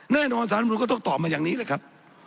แน่นอนสารมนุนก็ต้องตอบมาอย่างนี้แหละครับ